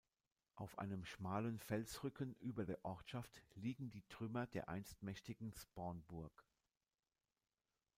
Auf einem schmalen Felsrücken über der Ortschaft liegen die Trümmer der einst mächtigen Spornburg.